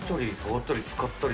使ったり。